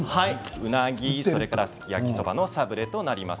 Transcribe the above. うなぎ、すき焼き、そばのサブレです。